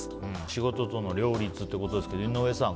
仕事との両立ってことですが井上さん